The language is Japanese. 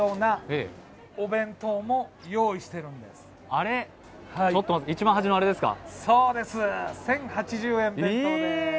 あれ、ちょっと待ってください、一番端のあれですか。